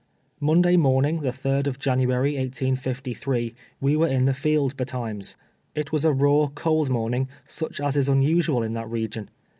Monday morning, the third of January, 1853, we were in the field betimes. It was a raw, cold morn ing, such as is unusual in that region.